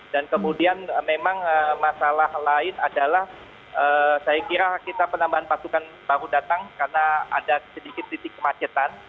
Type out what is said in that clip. dan kemudian memang masalah lain adalah saya kira kita penambahan pasukan baru datang karena ada sedikit titik kemacetan